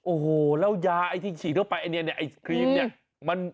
โอ้โฮแล้วยาที่ฉีดเข้าไปอันนี้เนี่ยไอ้ครีมเนี่ย